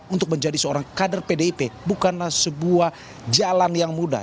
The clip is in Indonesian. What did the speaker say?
untuk menjadi seorang kader pdip bukanlah sebuah jalan yang mudah